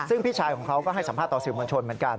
ซึ่งพี่ชายของเขาก็ให้สัมภาษณ์ต่อสื่อมวลชนเหมือนกัน